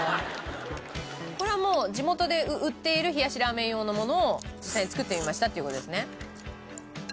これはもう地元で売っている冷やしラーメン用のものを実際に作ってみましたっていう事ですね。